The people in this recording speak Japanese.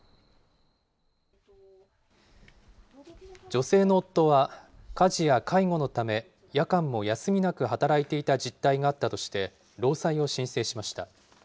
女性の夫は、家事や介護のため、夜間も休みなく働いていた実態があったとして労災を申請しました。